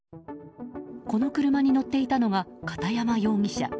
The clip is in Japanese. この車に乗っていたのが片山容疑者。